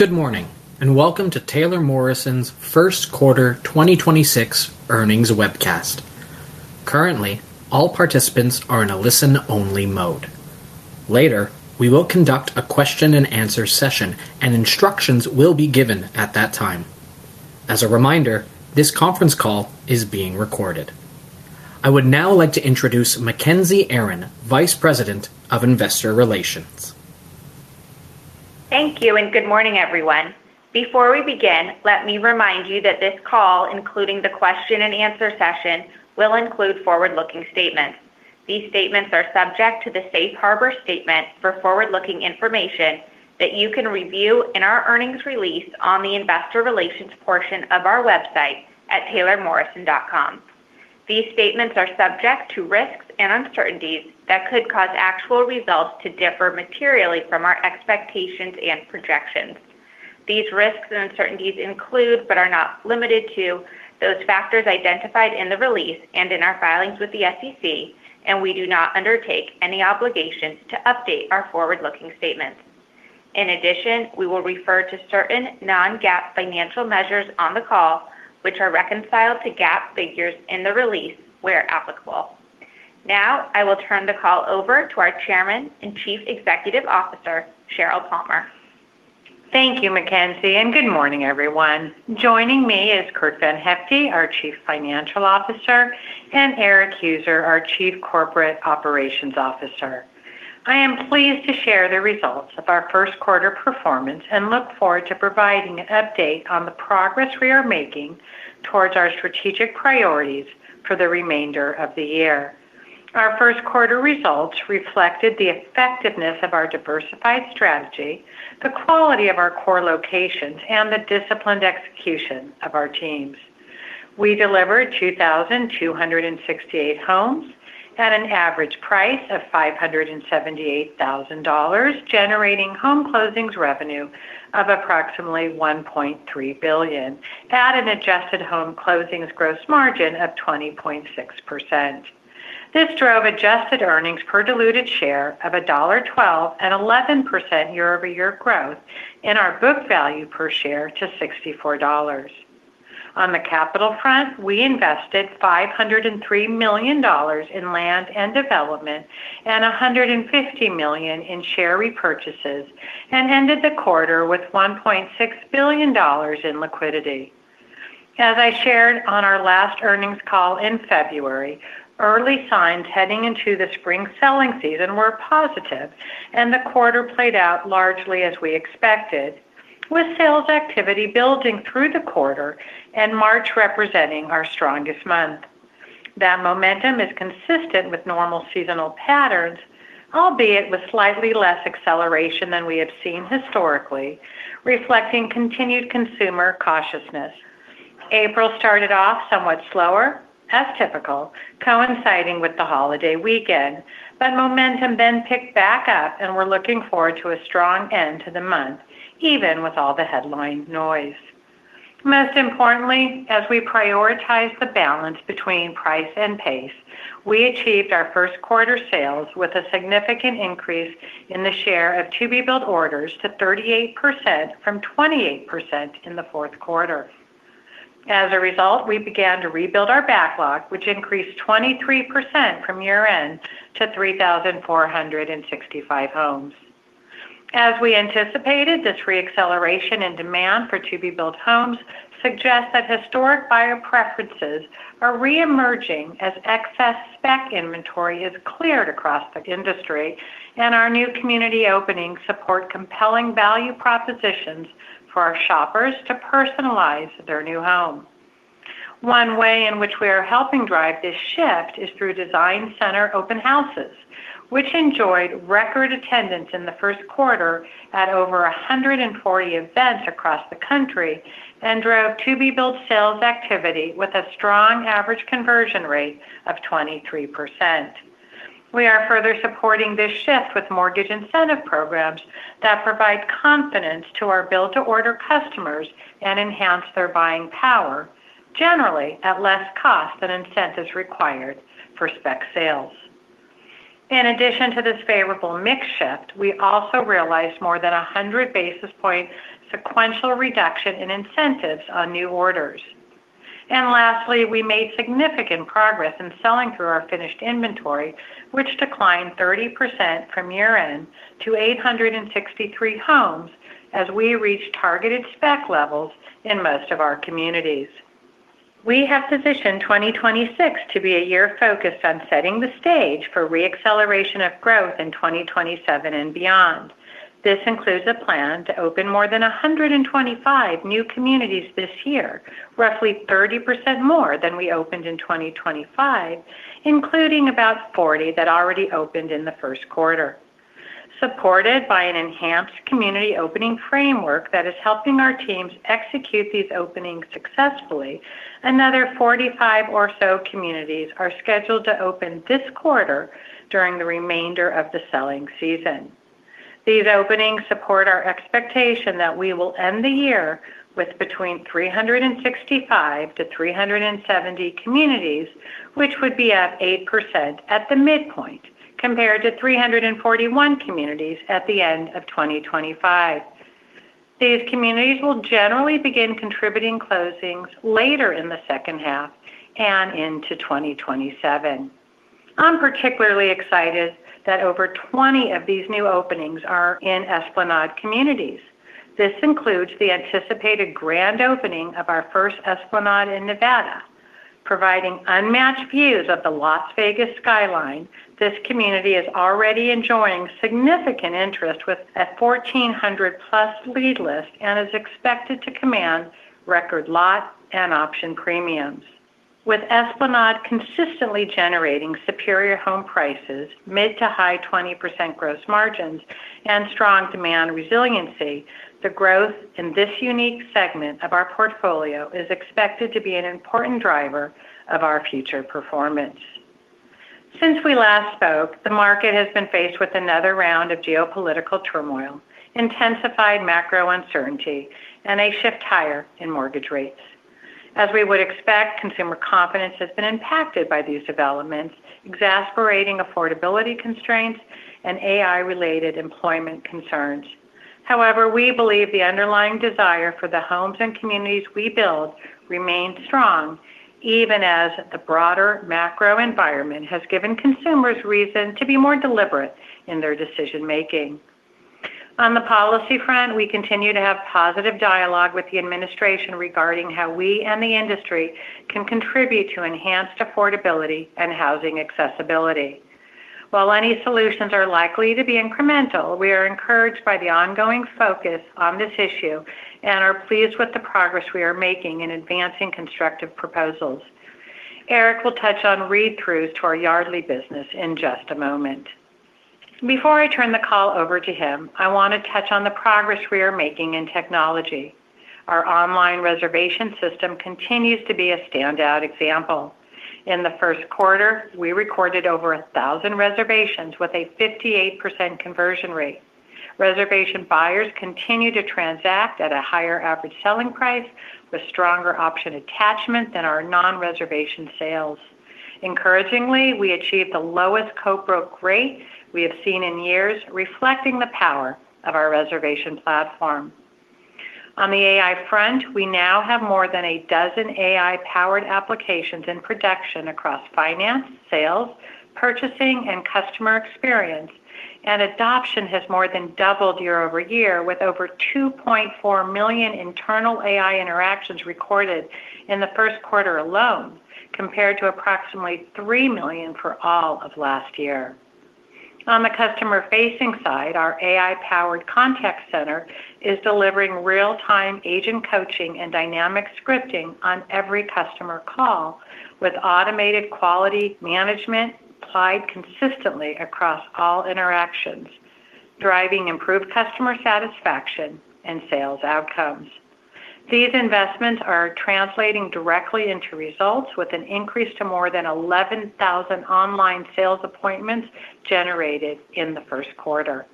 Good morning, and welcome to Taylor Morrison's First Quarter 2026 Earnings Webcast. Currently, all participants are in a listen-only mode. Later, we will conduct a question and answer session, and instructions will be given at that time. As a reminder, this conference call is being recorded. I would now like to introduce Mackenzie Aron, Vice President of Investor Relations. Thank you, and good morning, everyone. Before we begin, let me remind you that this call, including the question and answer session, will include forward-looking statements. These statements are subject to the safe harbor statement for forward-looking information that you can review in our earnings release on the investor relations portion of our website at taylormorrison.com. These statements are subject to risks and uncertainties that could cause actual results to differ materially from our expectations and projections. These risks and uncertainties include, but are not limited to, those factors identified in the release and in our filings with the SEC, and we do not undertake any obligations to update our forward-looking statements. In addition, we will refer to certain non-GAAP financial measures on the call, which are reconciled to GAAP figures in the release where applicable. Now, I will turn the call over to our Chairman and Chief Executive Officer, Sheryl Palmer. Thank you, Mackenzie, and good morning, everyone. Joining me is Curt VanHyfte, our Chief Financial Officer, and Erik Heuser, our Chief Corporate Operations Officer. I am pleased to share the results of our first quarter performance and look forward to providing an update on the progress we are making towards our strategic priorities for the remainder of the year. Our first quarter results reflected the effectiveness of our diversified strategy, the quality of our core locations, and the disciplined execution of our teams. We delivered 2,268 homes at an average price of $578,000, generating home closings revenue of approximately $1.3 billion at an adjusted home closings gross margin of 20.6%. This drove adjusted earnings per diluted share of $1.12 and 11% year-over-year growth in our book value per share to $64. On the capital front, we invested $503 million in land and development and $150 million in share repurchases and ended the quarter with $1.6 billion in liquidity. As I shared on our last earnings call in February, early signs heading into the spring selling season were positive, and the quarter played out largely as we expected, with sales activity building through the quarter and March representing our strongest month. That momentum is consistent with normal seasonal patterns, albeit with slightly less acceleration than we have seen historically, reflecting continued consumer cautiousness. April started off somewhat slower, as typical, coinciding with the holiday weekend, but momentum then picked back up and we're looking forward to a strong end to the month, even with all the headline noise. Most importantly, as we prioritize the balance between price and pace, we achieved our first quarter sales with a significant increase in the share of to-be-built orders to 38%, from 28% in the fourth quarter. As a result, we began to rebuild our backlog, which increased 23% from year-end to 3,465 homes. As we anticipated, this re-acceleration and demand for to-be-built homes suggests that historic buyer preferences are re-emerging as excess spec inventory is cleared across the industry, and our new community openings support compelling value propositions for our shoppers to personalize their new home. One way in which we are helping drive this shift is through design center open houses, which enjoyed record attendance in the first quarter at over 140 events across the country and drove to-be-built sales activity with a strong average conversion rate of 23%. We are further supporting this shift with mortgage incentive programs that provide confidence to our build-to-order customers and enhance their buying power, generally at less cost than incentives required for spec sales. In addition to this favorable mix shift, we also realized more than 100 basis points sequential reduction in incentives on new orders. Lastly, we made significant progress in selling through our finished inventory, which declined 30% from year-end to 863 homes as we reached targeted spec levels in most of our communities. We have positioned 2026 to be a year focused on setting the stage for re-acceleration of growth in 2027 and beyond. This includes a plan to open more than 125 new communities this year, roughly 30% more than we opened in 2025, including about 40 that already opened in the first quarter. Supported by an enhanced community opening framework that is helping our teams execute these openings successfully, another 45 or so communities are scheduled to open this quarter during the remainder of the selling season. These openings support our expectation that we will end the year with between 365-370 communities, which would be up 8% at the midpoint compared to 341 communities at the end of 2025. These communities will generally begin contributing closings later in the second half and into 2027. I'm particularly excited that over 20 of these new openings are in Esplanade communities. This includes the anticipated grand opening of our first Esplanade in Nevada. Providing unmatched views of the Las Vegas skyline, this community is already enjoying significant interest with a 1,400+ lead list, and is expected to command record lot and option premiums. With Esplanade consistently generating superior home prices, mid-to-high 20% gross margins, and strong demand resiliency, the growth in this unique segment of our portfolio is expected to be an important driver of our future performance. Since we last spoke, the market has been faced with another round of geopolitical turmoil, intensified macro uncertainty, and a shift higher in mortgage rates. As we would expect, consumer confidence has been impacted by these developments, exacerbating affordability constraints and AI-related employment concerns. However, we believe the underlying desire for the homes and communities we build remains strong, even as the broader macro environment has given consumers reason to be more deliberate in their decision-making. On the policy front, we continue to have positive dialogue with the administration regarding how we and the industry can contribute to enhanced affordability and housing accessibility. While any solutions are likely to be incremental, we are encouraged by the ongoing focus on this issue and are pleased with the progress we are making in advancing constructive proposals. Erik will touch on read-throughs to our Yardly business in just a moment. Before I turn the call over to him, I want to touch on the progress we are making in technology. Our online reservation system continues to be a standout example. In the first quarter, we recorded over 1,000 reservations with a 58% conversion rate. Reservation buyers continue to transact at a higher average selling price with stronger option attachment than our non-reservation sales. Encouragingly, we achieved the lowest co-broke rate we have seen in years, reflecting the power of our reservation platform. On the AI front, we now have more than a dozen AI-powered applications in production across finance, sales, purchasing, and customer experience, and adoption has more than doubled year-over-year, with over 2.4 million internal AI interactions recorded in the first quarter alone, compared to approximately 3 million for all of last year. On the customer-facing side, our AI-powered contact center is delivering real-time agent coaching and dynamic scripting on every customer call, with automated quality management applied consistently across all interactions, driving improved customer satisfaction and sales outcomes. These investments are translating directly into results, with an increase to more than 11,000 online sales appointments generated in the first quarter.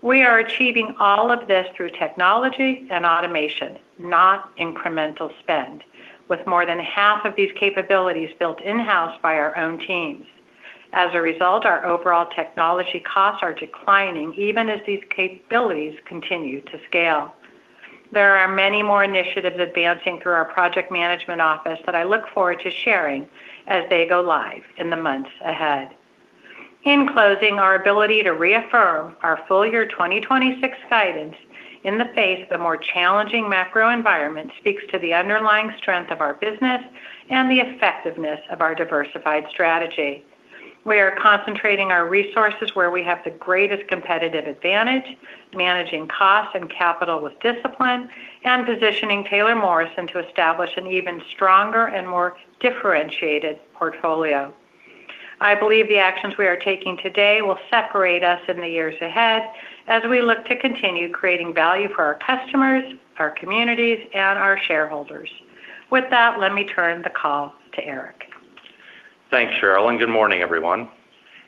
We are achieving all of this through technology and automation, not incremental spend, with more than half of these capabilities built in-house by our own teams. As a result, our overall technology costs are declining, even as these capabilities continue to scale. There are many more initiatives advancing through our project management office that I look forward to sharing as they go live in the months ahead. In closing, our ability to reaffirm our full year 2026 guidance in the face of a more challenging macro environment speaks to the underlying strength of our business and the effectiveness of our diversified strategy. We are concentrating our resources where we have the greatest competitive advantage, managing costs and capital with discipline, and positioning Taylor Morrison to establish an even stronger and more differentiated portfolio. I believe the actions we are taking today will separate us in the years ahead as we look to continue creating value for our customers, our communities, and our shareholders. With that, let me turn the call to Erik. Thanks, Sheryl, and good morning, everyone.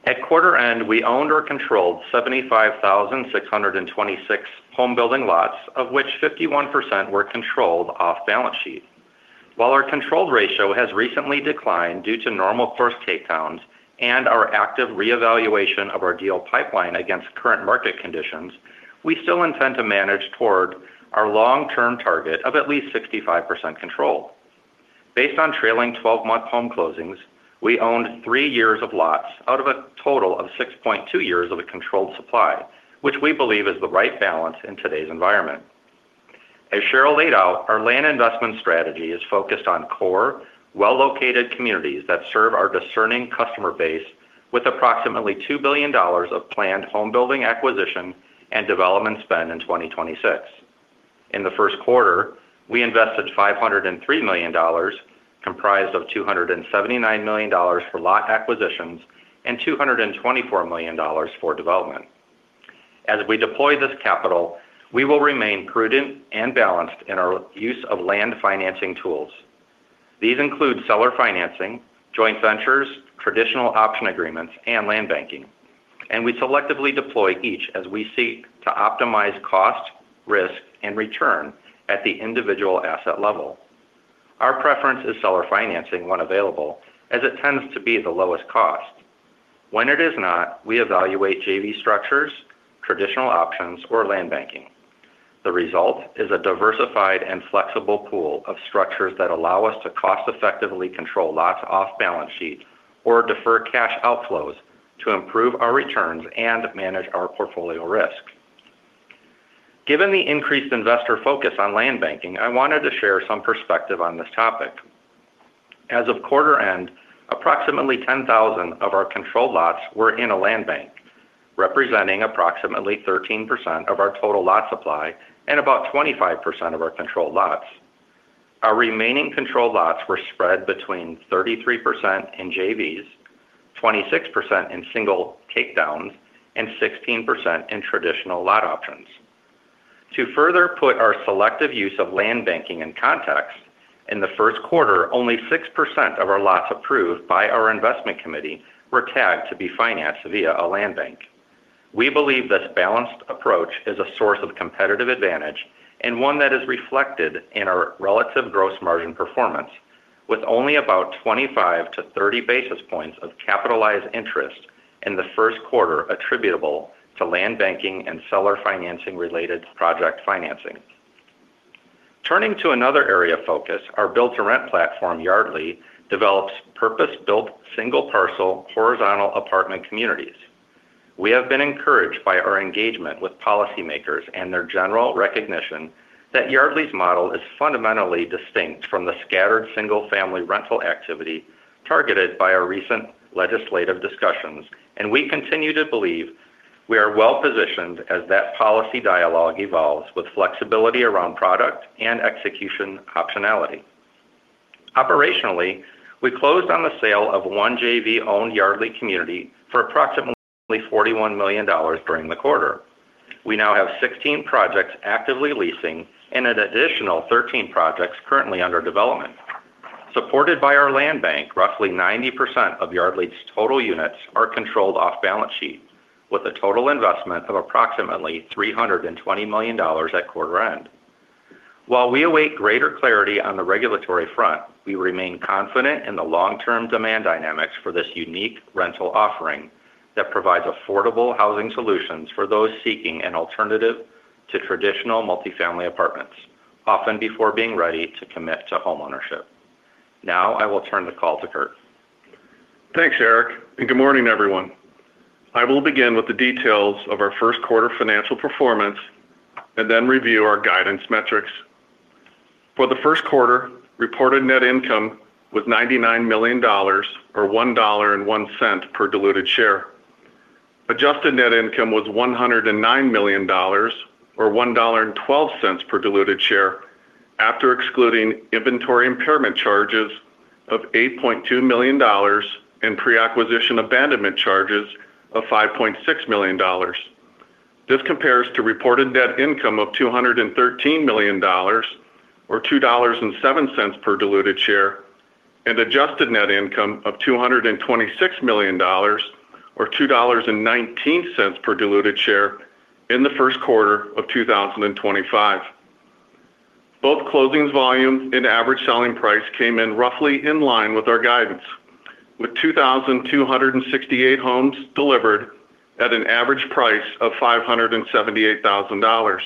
At quarter end, we owned or controlled 75,626 home building lots, of which 51% were controlled off balance sheet. While our controlled ratio has recently declined due to normal course takedowns and our active reevaluation of our deal pipeline against current market conditions, we still intend to manage toward our long-term target of at least 65% control. Based on trailing 12-month home closings, we owned three years of lots out of a total of 6.2 years of the controlled supply, which we believe is the right balance in today's environment. As Sheryl laid out, our land investment strategy is focused on core, well-located communities that serve our discerning customer base with approximately $2 billion of planned home building acquisition and development spend in 2026. In the first quarter, we invested $503 million, comprised of $279 million for lot acquisitions and $224 million for development. As we deploy this capital, we will remain prudent and balanced in our use of land financing tools. These include seller financing, joint ventures, traditional option agreements, and land banking, and we selectively deploy each as we seek to optimize cost, risk, and return at the individual asset level. Our preference is seller financing when available, as it tends to be the lowest cost. When it is not, we evaluate JV structures, traditional options, or land banking. The result is a diversified and flexible pool of structures that allow us to cost-effectively control lots off balance sheet or defer cash outflows to improve our returns and manage our portfolio risk. Given the increased investor focus on land banking, I wanted to share some perspective on this topic. As of quarter end, approximately 10,000 of our controlled lots were in a land bank, representing approximately 13% of our total lot supply and about 25% of our controlled lots. Our remaining controlled lots were spread between 33% in JVs, 26% in single takedowns, and 16% in traditional lot options. To further put our selective use of land banking in context, in the first quarter, only 6% of our lots approved by our investment committee were tagged to be financed via a land bank. We believe this balanced approach is a source of competitive advantage and one that is reflected in our relative gross margin performance, with only about 25-30 basis points of capitalized interest in the first quarter attributable to land banking and seller financing-related project financing. Turning to another area of focus, our build-to-rent platform, Yardly, develops purpose-built, single-parcel, horizontal apartment communities. We have been encouraged by our engagement with policymakers and their general recognition that Yardly's model is fundamentally distinct from the scattered single-family rental activity targeted by our recent legislative discussions, and we continue to believe we are well-positioned as that policy dialogue evolves with flexibility around product and execution optionality. Operationally, we closed on the sale of one JV-owned Yardly community for approximately $41 million during the quarter. We now have 16 projects actively leasing and an additional 13 projects currently under development. Supported by our land bank, roughly 90% of Yardly's total units are controlled off balance sheet, with a total investment of approximately $320 million at quarter end. While we await greater clarity on the regulatory front, we remain confident in the long-term demand dynamics for this unique rental offering that provides affordable housing solutions for those seeking an alternative to traditional multifamily apartments, often before being ready to commit to homeownership. Now I will turn the call to Curt. Thanks, Erik, and good morning, everyone. I will begin with the details of our first quarter financial performance and then review our guidance metrics. For the first quarter, reported net income was $99 million, or $1.01 per diluted share. Adjusted net income was $109 million, or $1.12 per diluted share after excluding inventory impairment charges of $8.2 million and pre-acquisition abandonment charges of $5.6 million. This compares to reported net income of $213 million, or $2.07 per diluted share, and adjusted net income of $226 million, or $2.19 per diluted share in the first quarter of 2025. Both closings volume and average selling price came in roughly in line with our guidance, with 2,268 homes delivered at an average price of $578,000,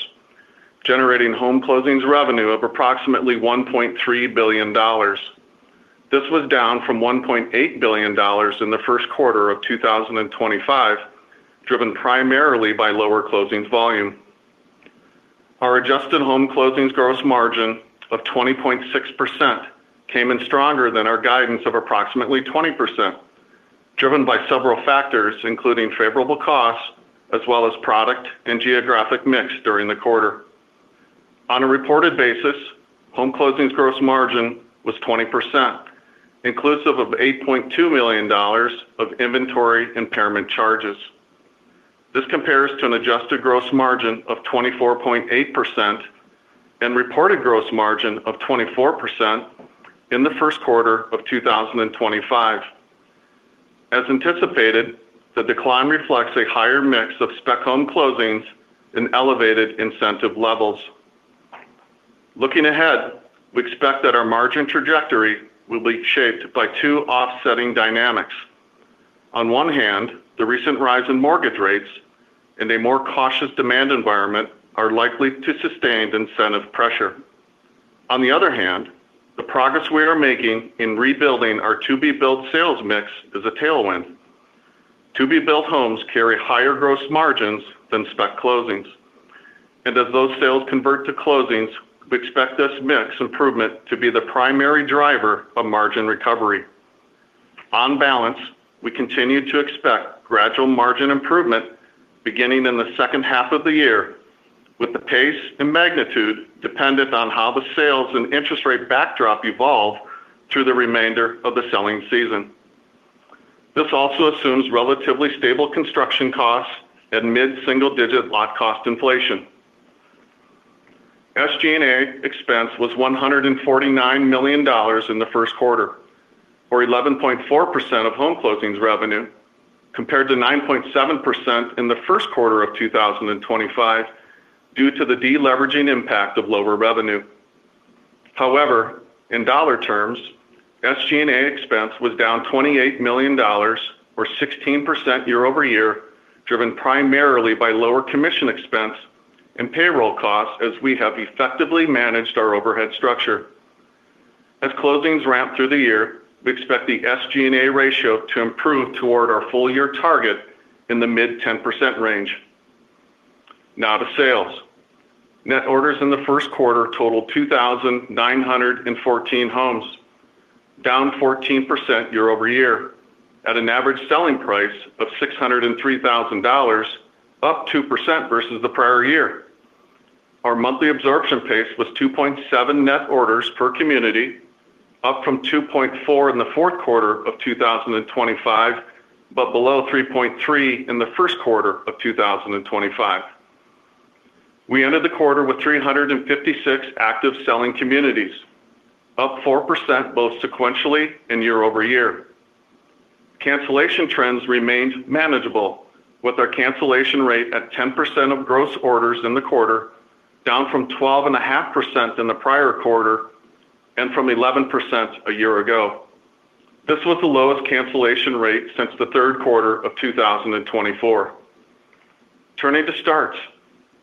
generating home closings revenue of approximately $1.3 billion. This was down from $1.8 billion in the first quarter of 2025, driven primarily by lower closings volume. Our adjusted home closings gross margin of 20.6% came in stronger than our guidance of approximately 20%, driven by several factors, including favorable costs as well as product and geographic mix during the quarter. On a reported basis, home closings gross margin was 20%, inclusive of $8.2 million of inventory impairment charges. This compares to an adjusted gross margin of 24.8% and reported gross margin of 24% in the first quarter of 2025. As anticipated, the decline reflects a higher mix of spec home closings and elevated incentive levels. Looking ahead, we expect that our margin trajectory will be shaped by two offsetting dynamics. On one hand, the recent rise in mortgage rates and a more cautious demand environment are likely to sustain incentive pressure. On the other hand, the progress we are making in rebuilding our to-be-built sales mix is a tailwind. To-be-built homes carry higher gross margins than spec closings, and as those sales convert to closings, we expect this mix improvement to be the primary driver of margin recovery. On balance, we continue to expect gradual margin improvement beginning in the second half of the year, with the pace and magnitude dependent on how the sales and interest rate backdrop evolve through the remainder of the selling season. This also assumes relatively stable construction costs and mid-single-digit lot cost inflation. SG&A expense was $149 million in the first quarter, or 11.4% of home closings revenue, compared to 9.7% in the first quarter of 2025, due to the de-leveraging impact of lower revenue. However, in dollar terms, SG&A expense was down $28 million or 16% year-over-year, driven primarily by lower commission expense and payroll costs, as we have effectively managed our overhead structure. As closings ramp through the year, we expect the SG&A ratio to improve toward our full-year target in the mid-10% range. Now to sales. Net orders in the first quarter totaled 2,914 homes, down 14% year-over-year, at an average selling price of $603,000, up 2% versus the prior year. Our monthly absorption pace was 2.7 net orders per community, up from 2.4 in the fourth quarter of 2025, but below 3.3 in the first quarter of 2025. We ended the quarter with 356 active selling communities, up 4% both sequentially and year-over-year. Cancellation trends remained manageable with our cancellation rate at 10% of gross orders in the quarter, down from 12.5% in the prior quarter and from 11% a year ago. This was the lowest cancellation rate since the third quarter of 2024. Turning to starts.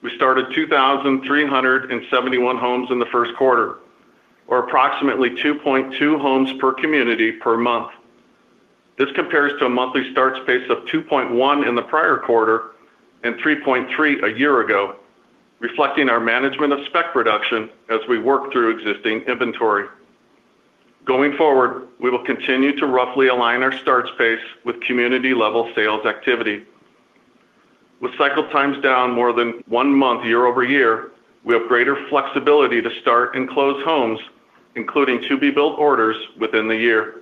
We started 2,371 homes in the first quarter or approximately 2.2 homes per community per month. This compares to a monthly starts pace of 2.1 in the prior quarter and 3.3 a year ago, reflecting our management of spec reduction as we work through existing inventory. Going forward, we will continue to roughly align our starts pace with community-level sales activity. With cycle times down more than one month year-over-year, we have greater flexibility to start and close homes, including to-be-built orders within the year.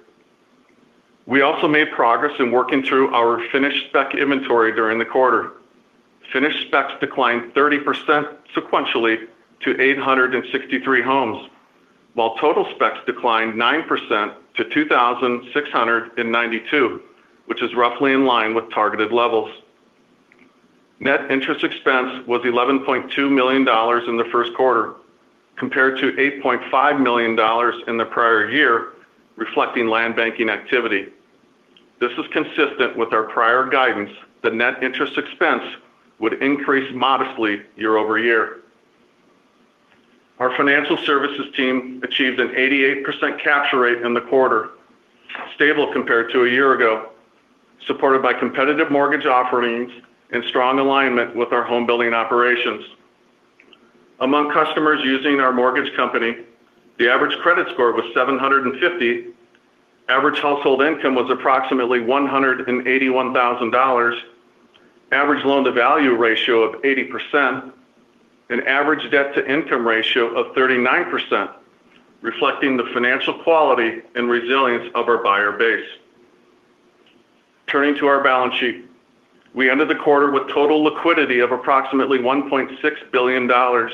We also made progress in working through our finished spec inventory during the quarter. Finished specs declined 30% sequentially to 863 homes, while total specs declined 9% to 2,692, which is roughly in line with targeted levels. Net interest expense was $11.2 million in the first quarter, compared to $8.5 million in the prior year, reflecting land banking activity. This is consistent with our prior guidance that net interest expense would increase modestly year-over-year. Our financial services team achieved an 88% capture rate in the quarter, stable compared to a year ago, supported by competitive mortgage offerings and strong alignment with our home building operations. Among customers using our mortgage company, the average credit score was 750, average household income was approximately $181,000, average loan-to-value ratio of 80%, and average debt-to-income ratio of 39%, reflecting the financial quality and resilience of our buyer base. Turning to our balance sheet. We ended the quarter with total liquidity of approximately $1.6 billion,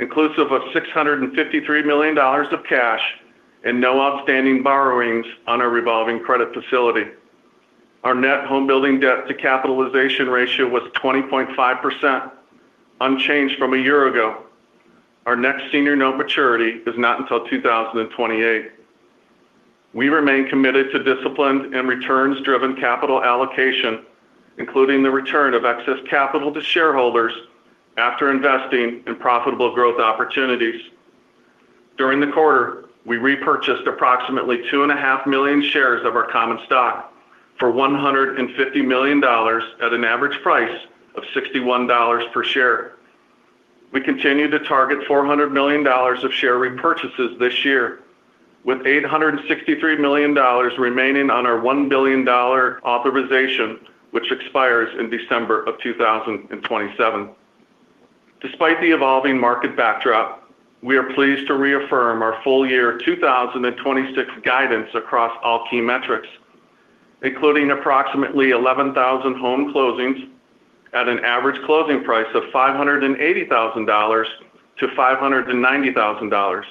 inclusive of $653 million of cash and no outstanding borrowings on our revolving credit facility. Our net homebuilding debt-to-capital ratio was 20.5%, unchanged from a year ago. Our next senior note maturity is not until 2028. We remain committed to disciplined and returns-driven capital allocation, including the return of excess capital to shareholders after investing in profitable growth opportunities. During the quarter, we repurchased approximately 2.5 million shares of our common stock for $150 million at an average price of $61 per share. We continue to target $400 million of share repurchases this year, with $863 million remaining on our $1 billion authorization, which expires in December of 2027. Despite the evolving market backdrop, we are pleased to reaffirm our full year 2026 guidance across all key metrics, including approximately 11,000 home closings at an average closing price of $580,000-$590,000.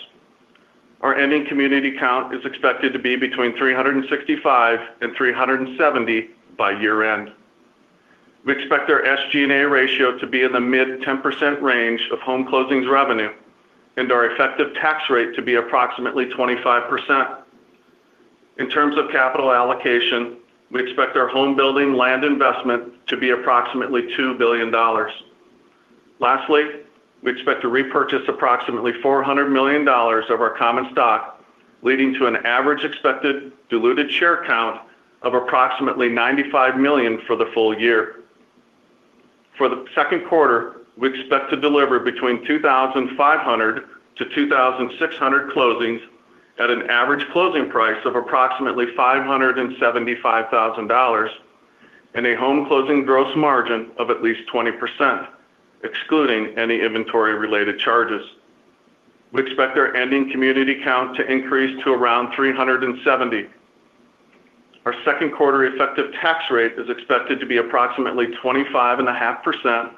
Our ending community count is expected to be between 365 and 370 by year-end. We expect our SG&A ratio to be in the mid-10% range of home closings revenue and our effective tax rate to be approximately 25%. In terms of capital allocation, we expect our home building land investment to be approximately $2 billion. Lastly, we expect to repurchase approximately $400 million of our common stock, leading to an average expected diluted share count of approximately 95 million for the full year. For the second quarter, we expect to deliver between 2,500-2,600 closings at an average closing price of approximately $575,000 and a home closing gross margin of at least 20%, excluding any inventory-related charges. We expect our ending community count to increase to around 370. Our second quarter effective tax rate is expected to be approximately 25.5%,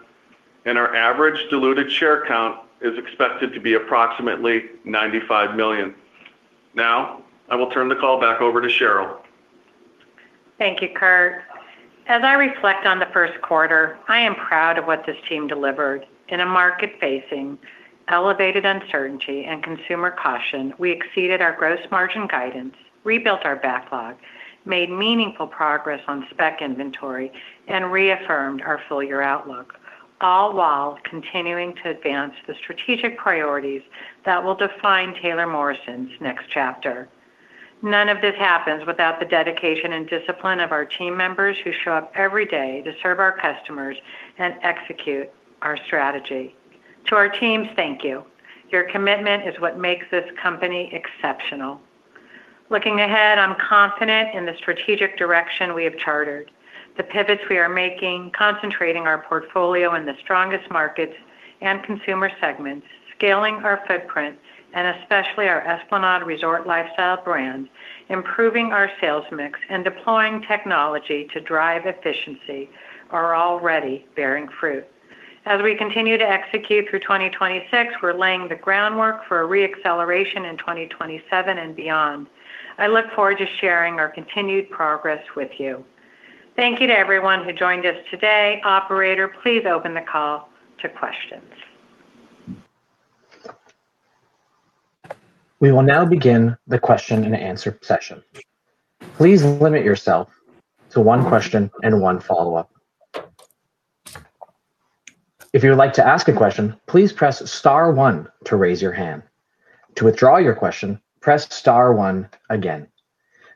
and our average diluted share count is expected to be approximately 95 million. Now, I will turn the call back over to Sheryl. Thank you, Curt. As I reflect on the first quarter, I am proud of what this team delivered. In a market facing elevated uncertainty and consumer caution, we exceeded our gross margin guidance, rebuilt our backlog, made meaningful progress on spec inventory, and reaffirmed our full-year outlook, all while continuing to advance the strategic priorities that will define Taylor Morrison's next chapter. None of this happens without the dedication and discipline of our team members who show up every day to serve our customers and execute our strategy. To our teams, thank you. Your commitment is what makes this company exceptional. Looking ahead, I'm confident in the strategic direction we have chartered. The pivots we are making, concentrating our portfolio in the strongest markets and consumer segments, scaling our footprint, and especially our Esplanade Resort Lifestyle brand, improving our sales mix, and deploying technology to drive efficiency are already bearing fruit. As we continue to execute through 2026, we're laying the groundwork for a re-acceleration in 2027 and beyond. I look forward to sharing our continued progress with you. Thank you to everyone who joined us today. Operator, please open the call to questions. We will now begin the question and answer session. Please limit yourself to one question and one follow-up. If you would like to ask a question, please press star one to raise your hand. To withdraw your question, press star one again.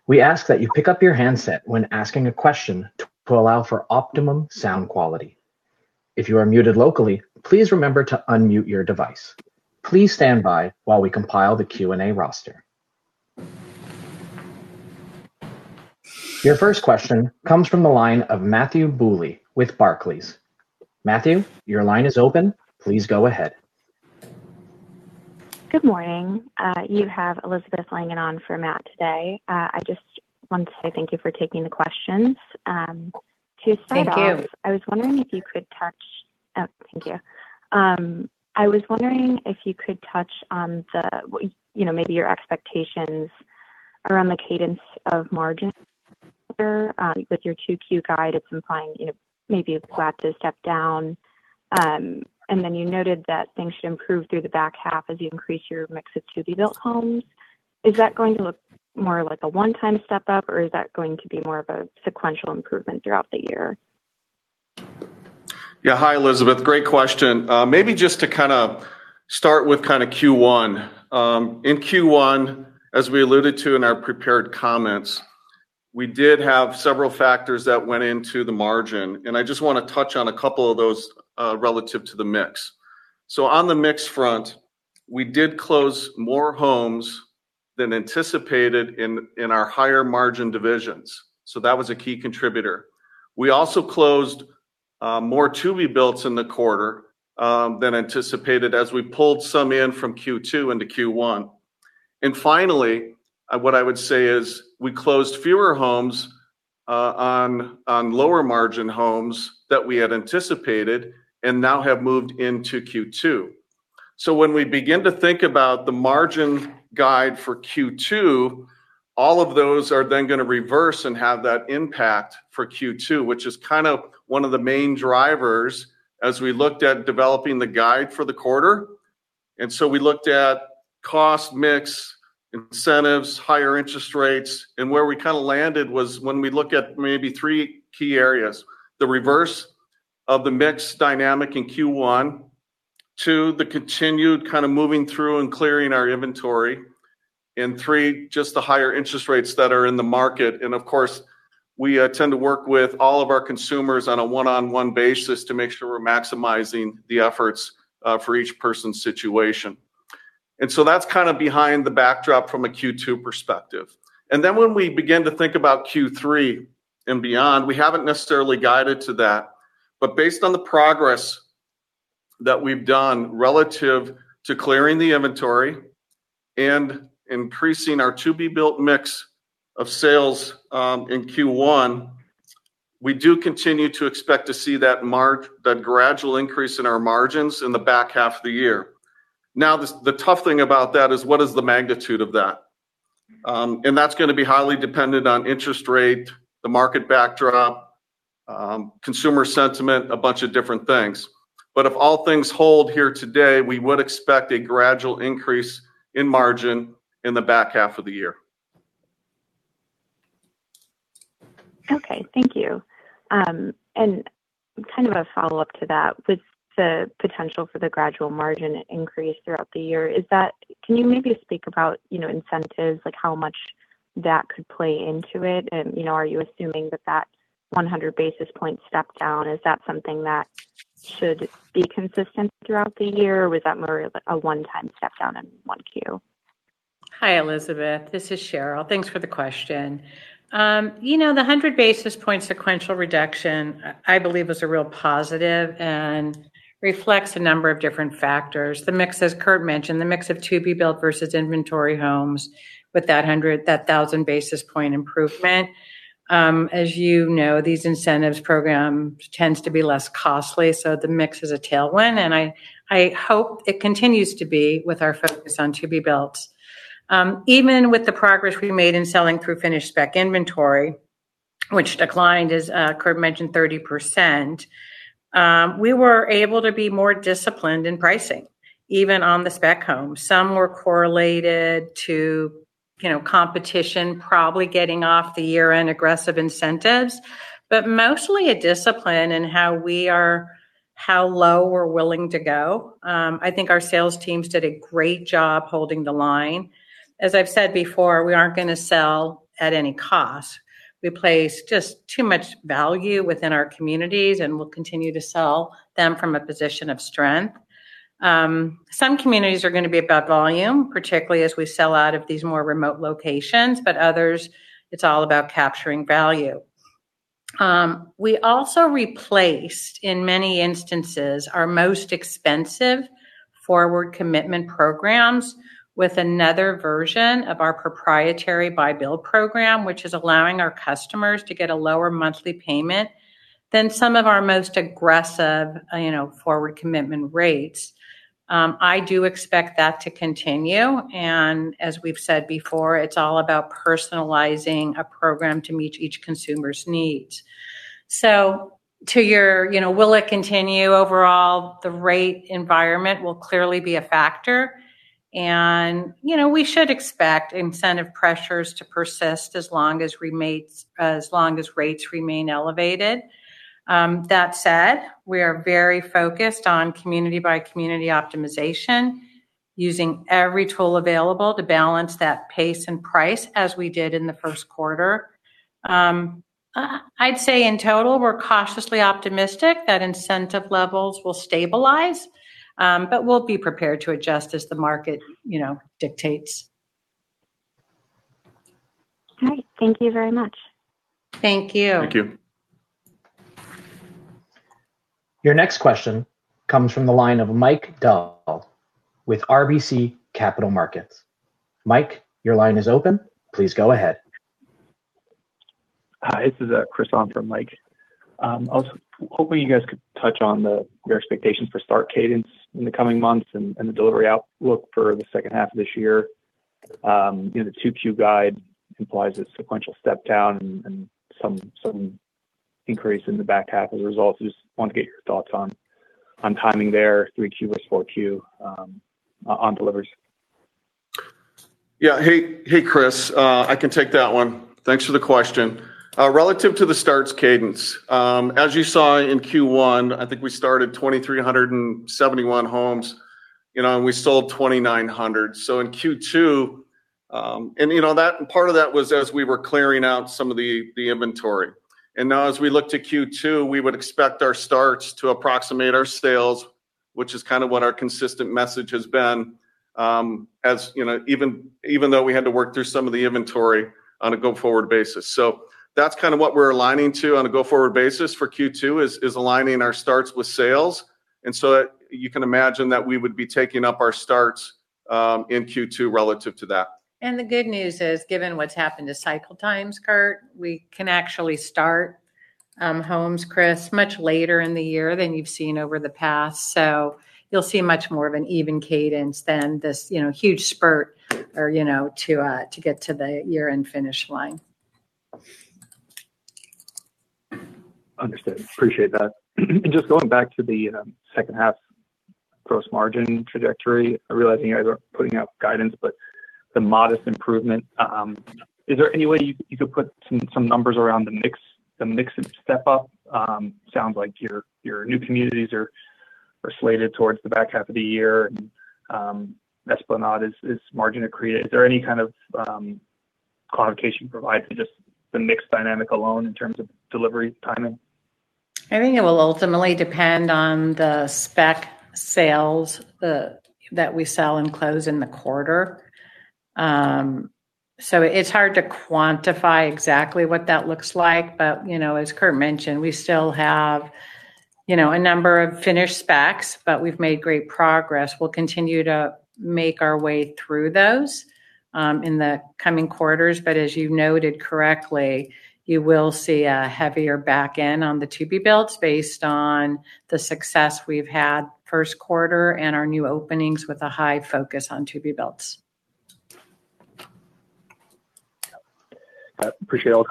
We ask that you pick up your handset when asking a question to allow for optimum sound quality. If you are muted locally, please remember to unmute your device. Please stand by while we compile the Q&A roster. Your first question comes from the line of Matthew Bouley with Barclays. Matthew, your line is open. Please go ahead. Good morning. You have Elizabeth Langan on for Matt today. I just want to say thank you for taking the questions. Thank you. To start off, I was wondering if you could touch on maybe your expectations around the cadence of margin with your 2Q guide. It's implying maybe a plateau step down. Then you noted that things should improve through the back half as you increase your mix of to-be-built homes. Is that going to look more like a one-time step up, or is that going to be more of a sequential improvement throughout the year? Yeah. Hi, Elizabeth. Great question. Maybe just to kind of start with Q1. In Q1, as we alluded to in our prepared comments, we did have several factors that went into the margin, and I just want to touch on a couple of those relative to the mix. On the mix front, we did close more homes than anticipated in our higher-margin divisions. We also closed more to-be-builts in the quarter than anticipated as we pulled some in from Q2 into Q1. Finally, what I would say is we closed fewer homes on lower-margin homes that we had anticipated and now have moved into Q2. When we begin to think about the margin guide for Q2, all of those are then going to reverse and have that impact for Q2, which is kind of one of the main drivers as we looked at developing the guide for the quarter. We looked at cost mix, incentives, higher interest rates, and where we kind of landed was when we look at maybe three key areas, the reverse of the mix dynamic in Q1, two, the continued kind of moving through and clearing our inventory, and three, just the higher interest rates that are in the market. Of course, we tend to work with all of our consumers on a one-on-one basis to make sure we're maximizing the efforts for each person's situation. That's kind of behind the backdrop from a Q2 perspective. Then when we begin to think about Q3 and beyond, we haven't necessarily guided to that, but based on the progress that we've done relative to clearing the inventory and increasing our to-be-built mix of sales in Q1, we do continue to expect to see that gradual increase in our margins in the back half of the year. Now, the tough thing about that is what is the magnitude of that? That's going to be highly dependent on interest rate, the market backdrop, consumer sentiment, a bunch of different things. If all things hold here today, we would expect a gradual increase in margin in the back half of the year. Okay. Thank you. Kind of a follow-up to that, with the potential for the gradual margin increase throughout the year, can you maybe speak about incentives, like how much that could play into it? Are you assuming that 100 basis point step down, is that something that should be consistent throughout the year? Or was that more of a one-time step down in one Q? Hi, Elizabeth. This is Sheryl. Thanks for the question. The 100 basis points sequential reduction, I believe, was a real positive and reflects a number of different factors. As Curt mentioned, the mix of to-be-built versus inventory homes with that 1,000 basis points improvement As you know, these incentives program tends to be less costly, so the mix is a tailwind, and I hope it continues to be with our focus on to-be-built. Even with the progress we made in selling through finished spec inventory, which declined, as Curt mentioned, 30%, we were able to be more disciplined in pricing, even on the spec homes. Some were correlated to competition, probably getting off the year-end aggressive incentives, but mostly a discipline in how low we're willing to go. I think our sales teams did a great job holding the line. As I've said before, we aren't going to sell at any cost. We place just too much value within our communities, and we'll continue to sell them from a position of strength. Some communities are going to be about volume, particularly as we sell out of these more remote locations, but others, it's all about capturing value. We also replaced, in many instances, our most expensive forward commitment programs with another version of our proprietary buy-build program, which is allowing our customers to get a lower monthly payment than some of our most aggressive forward commitment rates. I do expect that to continue, and as we've said before, it's all about personalizing a program to meet each consumer's needs. To your will it continue overall, the rate environment will clearly be a factor. We should expect incentive pressures to persist as long as rates remain elevated. That said, we are very focused on community-by-community optimization, using every tool available to balance that pace and price as we did in the first quarter. I'd say in total, we're cautiously optimistic that incentive levels will stabilize, but we'll be prepared to adjust as the market dictates. All right. Thank you very much. Thank you. Thank you. Your next question comes from the line of Michael Dahl with RBC Capital Markets. Mike, your line is open. Please go ahead. Hi, this is Chris on for Mike. I was hoping you guys could touch on your expectations for start cadence in the coming months and the delivery outlook for the second half of this year. The 2Q guide implies a sequential step down and some increase in the back half as a result. Just want to get your thoughts on timing there, 3Q versus 4Q, on deliveries. Yeah. Hey, Chris. I can take that one. Thanks for the question. Relative to the starts cadence, as you saw in Q1, I think we started 2,371 homes, and we sold 2,900. Part of that was as we were clearing out some of the inventory. Now as we look to Q2, we would expect our starts to approximate our sales, which is kind of what our consistent message has been even though we had to work through some of the inventory on a go-forward basis. That's what we're aligning to on a go-forward basis for Q2, is aligning our starts with sales. You can imagine that we would be taking up our starts in Q2 relative to that. The good news is, given what's happened to cycle times, Curt, we can actually start homes, Chris, much later in the year than you've seen over the past. You'll see much more of an even cadence than this huge spurt to get to the year-end finish line. Understood. Appreciate that. Just going back to the second half gross margin trajectory, I realize you guys aren't putting out guidance, but the modest improvement. Is there any way you could put some numbers around the mix of step-up? Sounds like your new communities are slated towards the back half of the year, and Esplanade is margin accretive. Is there any kind of quantification provided to just the mix dynamic alone in terms of delivery timing? I think it will ultimately depend on the spec sales that we sell and close in the quarter. It's hard to quantify exactly what that looks like, but as Curt mentioned, we still have a number of finished specs, but we've made great progress. We'll continue to make our way through those in the coming quarters, but as you noted correctly, you will see a heavier back end on the to-be-builts based on the success we've had in the first quarter and our new openings with a high focus on to-be-builts. Got it. Appreciate all the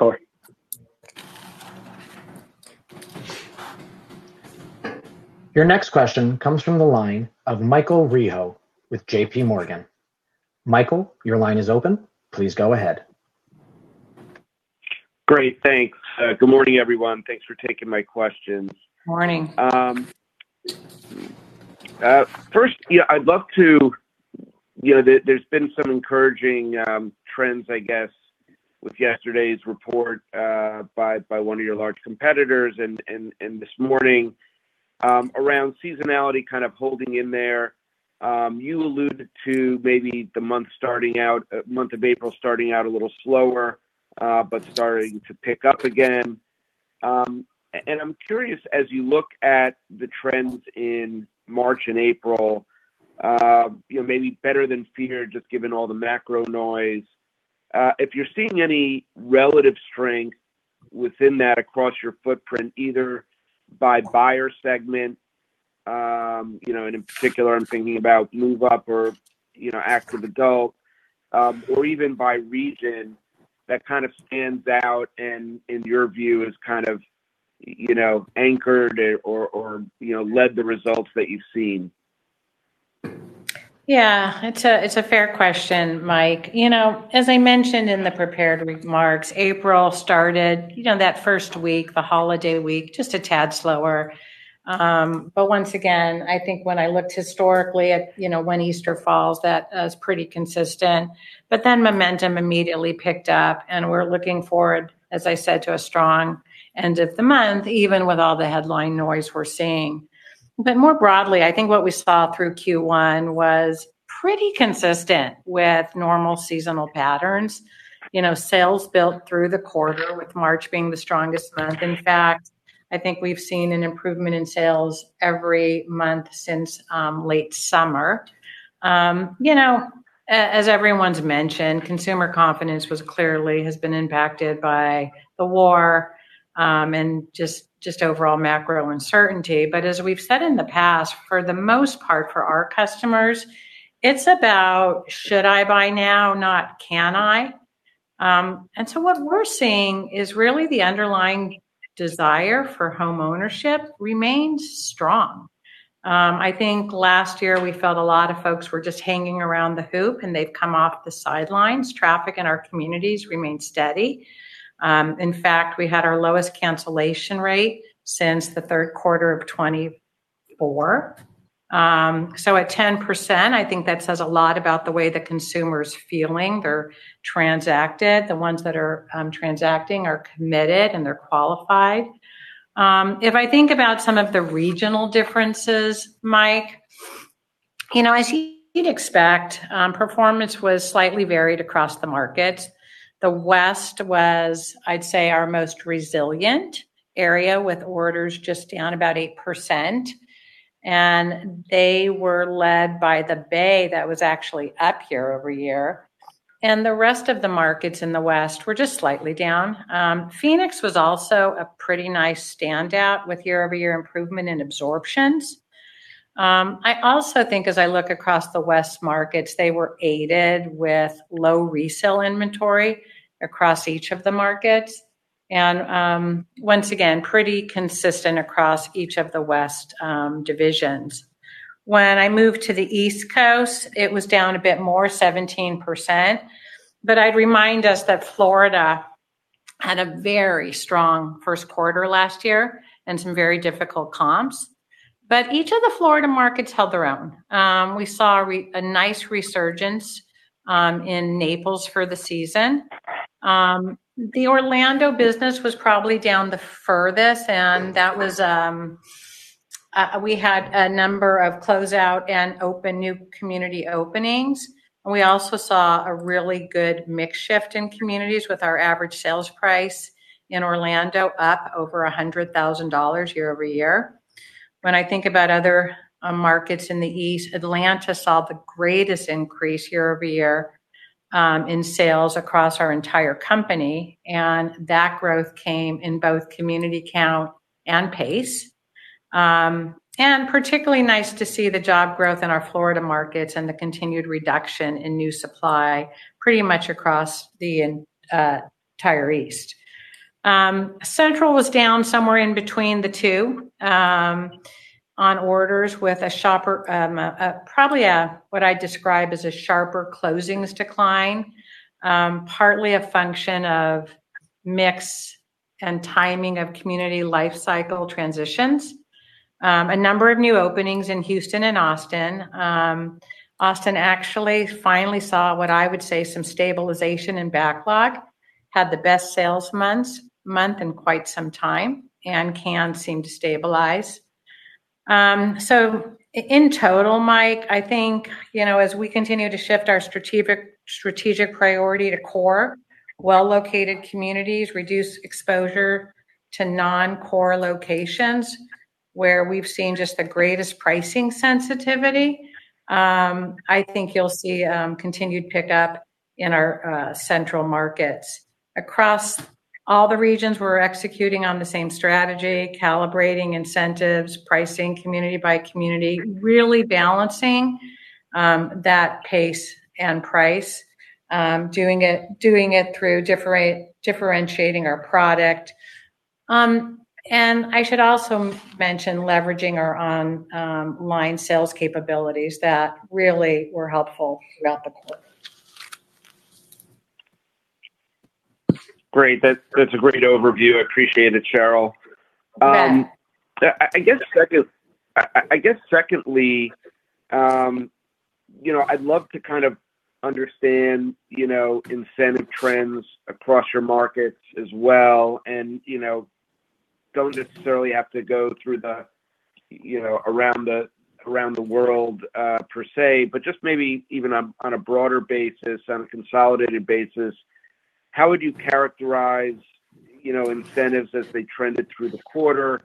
color. Your next question comes from the line of Michael Rehaut with JPMorgan. Michael, your line is open. Please go ahead. Great. Thanks. Good morning, everyone. Thanks for taking my questions. Morning. First, there's been some encouraging trends, I guess, with yesterday's report by one of your large competitors and this morning around seasonality kind of holding in there. You alluded to maybe the month of April starting out a little slower but starting to pick up again. I'm curious, as you look at the trends in March and April, maybe better than feared, just given all the macro noise. If you're seeing any relative strength within that across your footprint, either by buyer segment, and in particular I'm thinking about move-up or active adult, or even by region, that kind of stands out and in your view is kind of anchored or led the results that you've seen. Yeah. It's a fair question, Mike. As I mentioned in the prepared remarks, April started, that first week, the holiday week, just a tad slower. Once again, I think when I looked historically at when Easter falls, that is pretty consistent. Then momentum immediately picked up, and we're looking forward, as I said, to a strong end of the month, even with all the headline noise we're seeing. More broadly, I think what we saw through Q1 was pretty consistent with normal seasonal patterns. Sales built through the quarter, with March being the strongest month. In fact, I think we've seen an improvement in sales every month since late summer. As everyone's mentioned, consumer confidence clearly has been impacted by the war, and just overall macro uncertainty. As we've said in the past, for the most part for our customers, it's about should I buy now, not can I. what we're seeing is really the underlying desire for homeownership remains strong. I think last year we felt a lot of folks were just hanging around the hoop and they've come off the sidelines. Traffic in our communities remained steady. In fact, we had our lowest cancellation rate since the third quarter of 2024. at 10%, I think that says a lot about the way the consumer's feeling. They're transacted. The ones that are transacting are committed and they're qualified. If I think about some of the regional differences, Mike, as you'd expect, performance was slightly varied across the market. The West was, I'd say, our most resilient area, with orders just down about 8%. They were led by the Bay that was actually up year-over-year. The rest of the markets in the West were just slightly down. Phoenix was also a pretty nice standout with year-over-year improvement in absorptions. I also think as I look across the West markets, they were aided with low resale inventory across each of the markets. Once again, pretty consistent across each of the West divisions. When I moved to the East Coast, it was down a bit more, 17%, but I'd remind us that Florida had a very strong first quarter last year and some very difficult comps. Each of the Florida markets held their own. We saw a nice resurgence in Naples for the season. The Orlando business was probably down the furthest, and we had a number of closeout and new community openings. We also saw a really good mix shift in communities with our average sales price in Orlando up over $100,000 year-over-year. When I think about other markets in the East, Atlanta saw the greatest increase year-over-year in sales across our entire company, and that growth came in both community count and pace. Particularly nice to see the job growth in our Florida markets and the continued reduction in new supply pretty much across the entire East. Central was down somewhere in between the two on orders with probably what I'd describe as a sharper closings decline, partly a function of mix and timing of community life cycle transitions. A number of new openings in Houston and Austin. Austin actually finally saw, what I would say, some stabilization in backlog, had the best sales month in quite some time, and it seems to stabilize. In total, Mike, I think, as we continue to shift our strategic priority to core, well-located communities, reduce exposure to non-core locations where we've seen just the greatest pricing sensitivity. I think you'll see continued pickup in our central markets. Across all the regions, we're executing on the same strategy, calibrating incentives, pricing community by community, really balancing that pace and price, doing it through differentiating our product. I should also mention leveraging our online sales capabilities that really were helpful throughout the quarter. Great. That's a great overview. I appreciate it, Sheryl. You bet. I guess, secondly, I'd love to kind of understand incentive trends across your markets as well, and don't necessarily have to go through the around the world per se, but just maybe even on a broader basis, on a consolidated basis, how would you characterize incentives as they trended through the quarter?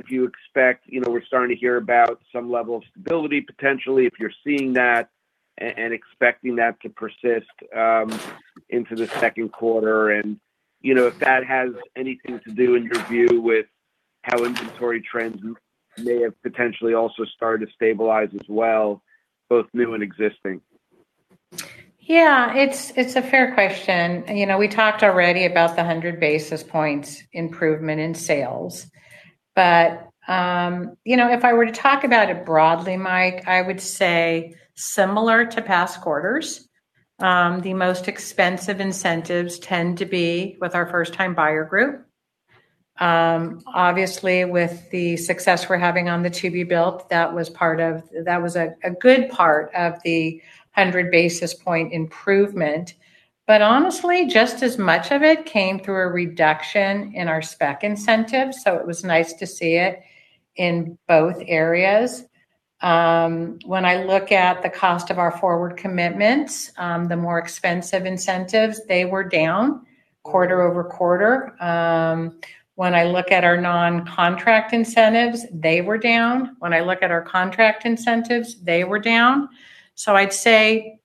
If you expect, we're starting to hear about some level of stability, potentially, if you're seeing that and expecting that to persist into the second quarter, and if that has anything to do, in your view, with how inventory trends may have potentially also started to stabilize as well, both new and existing. Yeah. It's a fair question. We talked already about the 100 basis points improvement in sales. If I were to talk about it broadly, Mike, I would say similar to past quarters. The most expensive incentives tend to be with our first-time buyer group. Obviously, with the success we're having on the to-be-built, that was a good part of the 100-basis point improvement. Honestly, just as much of it came through a reduction in our spec incentives, so it was nice to see it in both areas. When I look at the cost of our forward commitments, the more expensive incentives, they were down quarter-over-quarter. When I look at our non-contract incentives, they were down. When I look at our contract incentives, they were down. I'd say,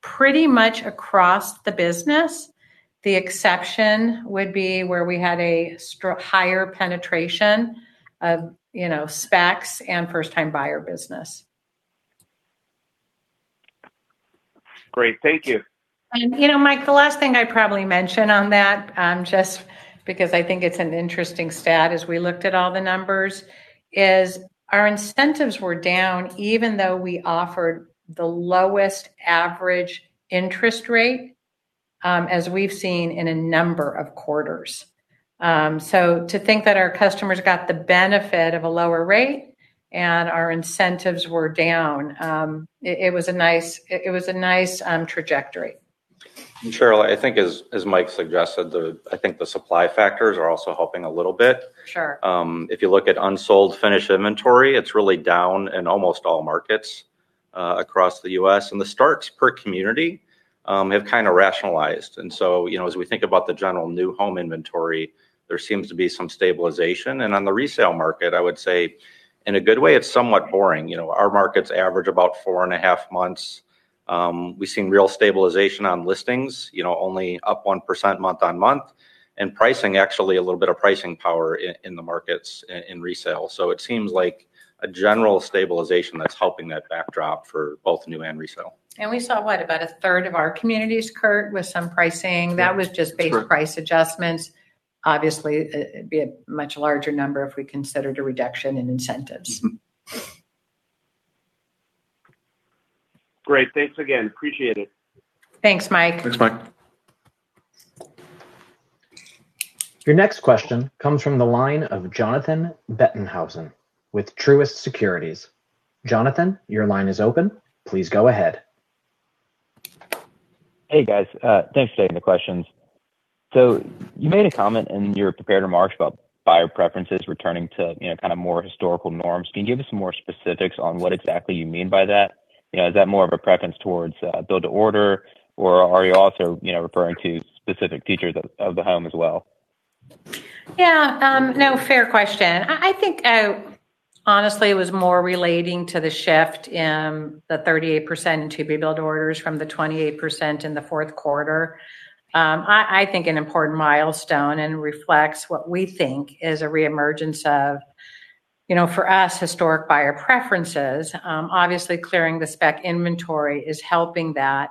pretty much across the business. The exception would be where we had a higher penetration of specs and first-time buyer business. Great. Thank you. Mike, the last thing I'd probably mention on that, just because I think it's an interesting stat as we looked at all the numbers, is our incentives were down even though we offered the lowest average interest rate as we've seen in a number of quarters. To think that our customers got the benefit of a lower rate and our incentives were down, it was a nice trajectory. Sheryl, I think as Mike suggested, I think the supply factors are also helping a little bit. Sure. If you look at unsold finished inventory, it's really down in almost all markets across the U.S. The starts per community have kind of rationalized. As we think about the general new home inventory, there seems to be some stabilization. On the resale market, I would say, in a good way, it's somewhat boring. Our markets average about four and a half months. We've seen real stabilization on listings, only up 1% month-on-month. Pricing, actually, a little bit of pricing power in the markets in resale. It seems like a general stabilization that's helping that backdrop for both new and resale. We saw, what, about a third of our communities, Curt, with some pricing. That was just base price adjustments. Obviously, it'd be a much larger number if we considered a reduction in incentives. Great. Thanks again. Appreciate it. Thanks, Mike. Thanks, Mike. Your next question comes from the line of Jonathan Bettenhausen with Truist Securities. Jonathan, your line is open. Please go ahead. Hey, guys. Thanks for taking the questions. You made a comment in your prepared remarks about buyer preferences returning to more historical norms. Can you give us some more specifics on what exactly you mean by that? Is that more of a preference towards build to order, or are you also referring to specific features of the home as well? Yeah. No, fair question. I think honestly it was more relating to the shift in the 38% in to-be-built orders from the 28% in the fourth quarter. I think it's an important milestone and it reflects what we think is a reemergence of, for us, historic buyer preferences. Obviously, clearing the spec inventory is helping that.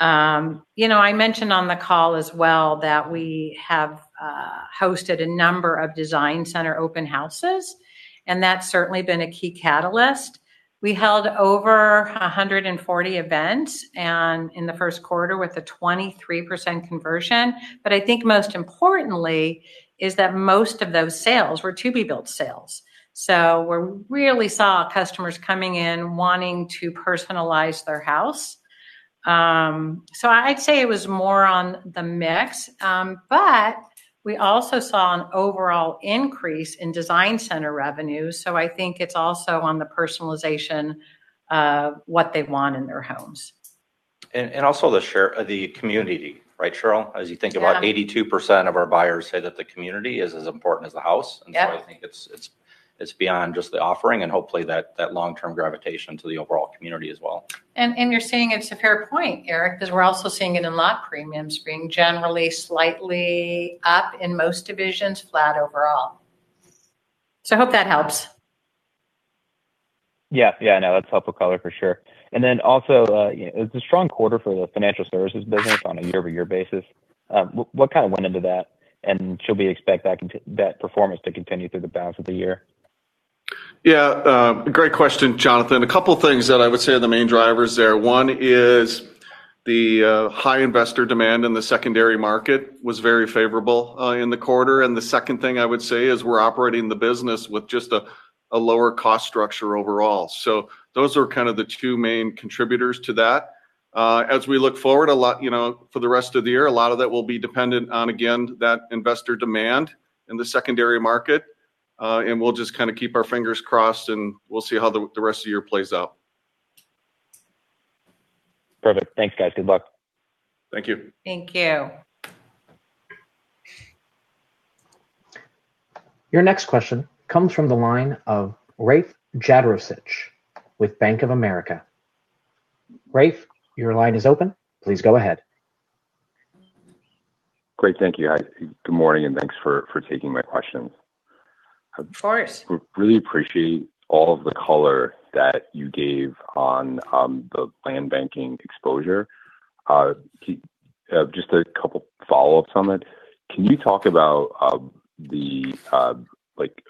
I mentioned on the call as well that we have hosted a number of design center open houses, and that's certainly been a key catalyst. We held over 140 events in the first quarter, with a 23% conversion. I think most importantly is that most of those sales were to-be-built sales. We really saw customers coming in wanting to personalize their house. I'd say it was more on the mix. We also saw an overall increase in design center revenue, so I think it's also on the personalization of what they want in their homes. Also the share of the community, right, Sheryl? As you think about 82% of our buyers say that the community is as important as the house. Yep. I think it's beyond just the offering and hopefully that long-term gravitation to the overall community as well. You're saying it's a fair point, Erik, because we're also seeing it in lot premiums being generally slightly up in most divisions, flat overall. I hope that helps. Yeah, I know. That's helpful color for sure. It's a strong quarter for the financial services business on a year-over-year basis. What went into that, and should we expect that performance to continue through the balance of the year? Yeah. Great question, Jonathan. A couple things that I would say are the main drivers there. One is the high investor demand in the secondary market was very favorable in the quarter. The second thing I would say is we're operating the business with just a lower cost structure overall. Those are kind of the two main contributors to that. As we look forward for the rest of the year, a lot of that will be dependent on, again, that investor demand in the secondary market. We'll just kind of keep our fingers crossed, and we'll see how the rest of the year plays out. Perfect. Thanks, guys. Good luck. Thank you. Thank you. Your next question comes from the line of Rafe Jadrosich with Bank of America. Rafe, your line is open. Please go ahead. Great. Thank you. Good morning, and thanks for taking my questions. Of course. Really appreciate all of the color that you gave on the land banking exposure. Just a couple follow-ups on it. Can you talk about the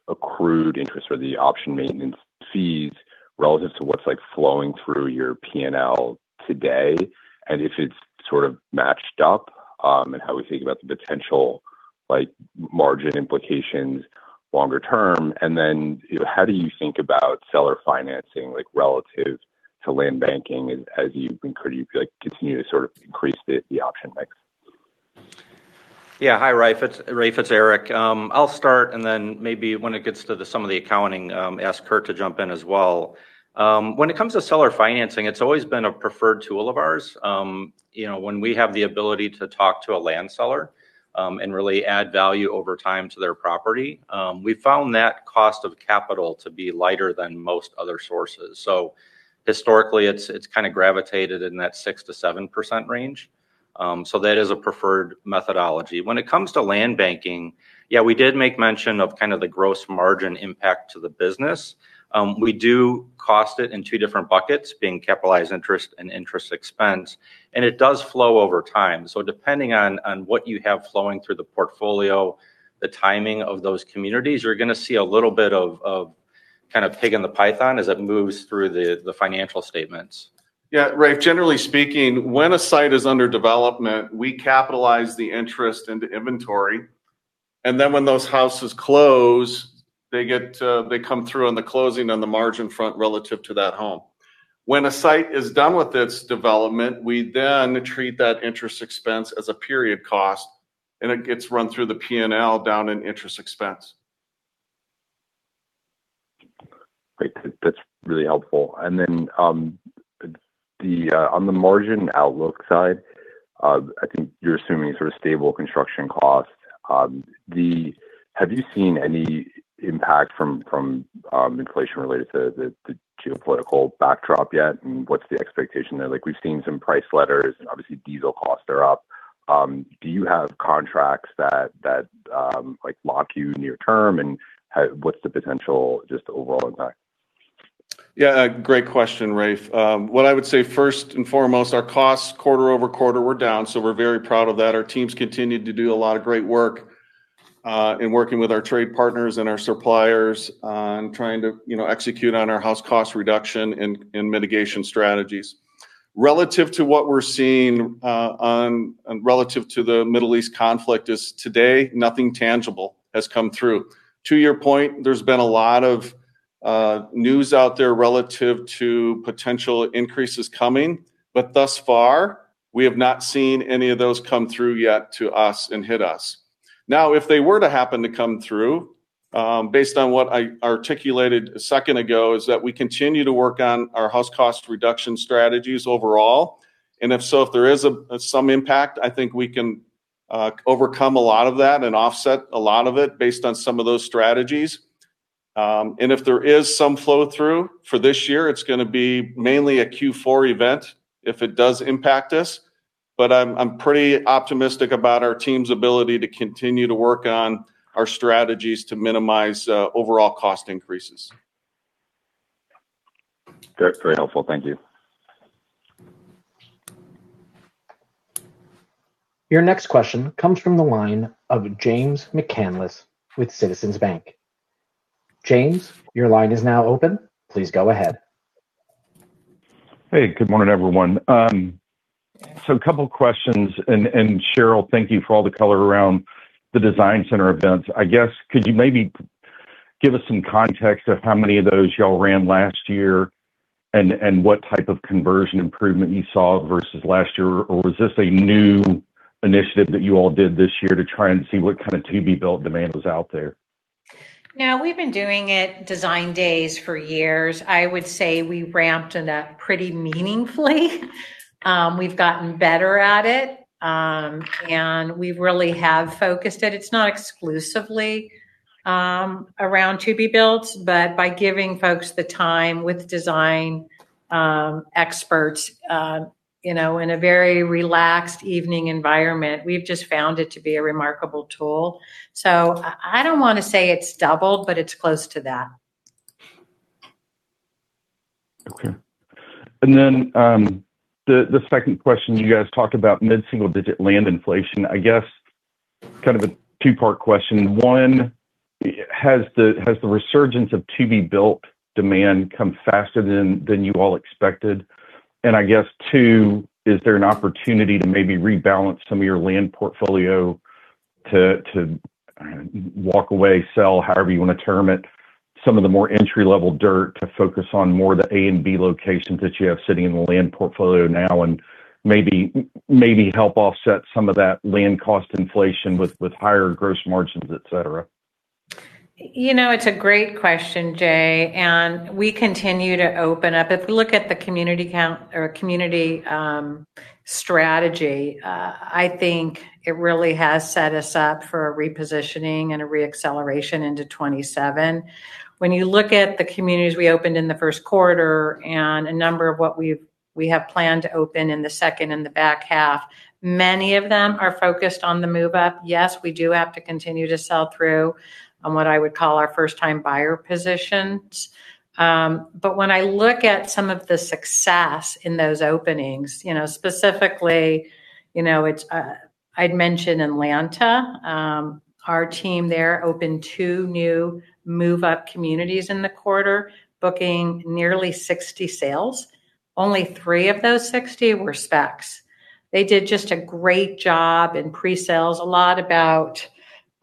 accrued interest or the option maintenance fees relative to what's flowing through your P&L today, and if it's sort of matched up, and how we think about the potential margin implications longer term? How do you think about seller financing relative to land banking as you continue to sort of increase the option mix? Hi, Rafe, it's Erik. I'll start, and then maybe when it gets to some of the accounting, ask Curt to jump in as well. When it comes to seller financing, it's always been a preferred tool of ours. When we have the ability to talk to a land seller, and really add value over time to their property, we found that cost of capital to be lighter than most other sources. Historically, it's kind of gravitated in that 6%-7% range. That is a preferred methodology. When it comes to land banking, yeah, we did make mention of kind of the gross margin impact to the business. We do cost it in two different buckets, being capitalized interest and interest expense, and it does flow over time. Depending on what you have flowing through the portfolio, the timing of those communities, you're going to see a little bit of pig in the python as it moves through the financial statements. Yeah, Rafe, generally speaking, when a site is under development, we capitalize the interest into inventory, and then when those houses close, they come through on the closing on the margin front relative to that home. When a site is done with its development, we then treat that interest expense as a period cost, and it gets run through the P&L down in interest expense. Great. That's really helpful. On the margin outlook side, I think you're assuming sort of stable construction costs. Have you seen any impact from inflation related to the geopolitical backdrop yet? What's the expectation there? We've seen some price letters, and obviously diesel costs are up. Do you have contracts that lock you near term? What's the potential just overall impact? Yeah, great question, Rafe. What I would say first and foremost, our costs quarter-over-quarter were down, so we're very proud of that. Our teams continued to do a lot of great work in working with our trade partners and our suppliers on trying to execute on our house cost reduction and mitigation strategies. Relative to what we're seeing on relative to the Middle East conflict as of today, nothing tangible has come through. To your point, there's been a lot of news out there relative to potential increases coming, but thus far, we have not seen any of those come through yet to us and hit us. Now, if they were to happen to come through, based on what I articulated a second ago, is that we continue to work on our house cost reduction strategies overall. If so, if there is some impact, I think we can overcome a lot of that and offset a lot of it based on some of those strategies. If there is some flow-through for this year, it's going to be mainly a Q4 event if it does impact us. I'm pretty optimistic about our team's ability to continue to work on our strategies to minimize overall cost increases. Great. Very helpful. Thank you. Your next question comes from the line of Jay McCanless with Citizens Bank. Jay, your line is now open. Please go ahead. Hey, good morning, everyone. A couple questions. Sheryl, thank you for all the color around the design center events. I guess, could you maybe give us some context of how many of those you all ran last year and what type of conversion improvement you saw versus last year? Or was this a new initiative that you all did this year to try and see what kind of to-be-built demand was out there? No, we've been doing it design days for years. I would say we ramped it up pretty meaningfully. We've gotten better at it, and we really have focused it. It's not exclusively around to-be builds, but by giving folks the time with design experts in a very relaxed evening environment, we've just found it to be a remarkable tool. I don't want to say it's doubled, but it's close to that. Okay. The second question, you guys talked about mid-single-digit land inflation. I guess kind of a two-part question. One, has the resurgence of to-be-built demand come faster than you all expected? I guess two, is there an opportunity to maybe rebalance some of your land portfolio to walk away, sell, however you want to term it? Some of the more entry-level dirt to focus on more the A and B locations that you have sitting in the land portfolio now, and maybe help offset some of that land cost inflation with higher gross margins, et cetera. It's a great question, Jay, and we continue to open up. If you look at the community count or community strategy, I think it really has set us up for a repositioning and a re-acceleration into 2027. When you look at the communities we opened in the first quarter and a number of what we have planned to open in the second and the back half, many of them are focused on the move-up. Yes, we do have to continue to sell through on what I would call our first-time buyer positions. When I look at some of the success in those openings, specifically, I'd mention Atlanta. Our team there opened two new move-up communities in the quarter, booking nearly 60 sales. Only three of those 60 were specs. They did just a great job in pre-sales. A lot about